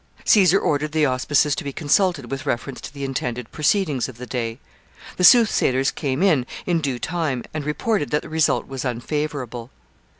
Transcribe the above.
Caesar ordered the auspices to be consulted with reference to the intended proceedings of the day. The soothsayers came in in due time, and reported that the result was unfavorable.